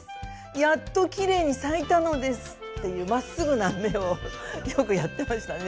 「やっと綺麗に咲いたのです」っていうまっすぐな目をよくやってましたね